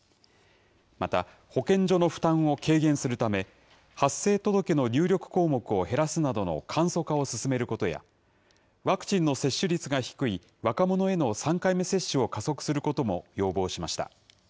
また保健所の負担を軽減するため、発生届の入力項目を減らすなどの簡素化を進めることや、ワクチンの接種率が低い若者への３回目接種を加速することも要望しました。